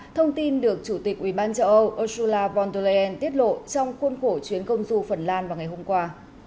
thông tin được chủ tịch ubnd châu âu ursula von der leyen tiết lộ trong khuôn khổ chuyến công du phần lan vào ngày hôm qua